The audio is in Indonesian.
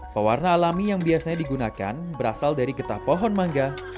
pewarna alami yang biasanya digunakan berasal dari getah pohon mangga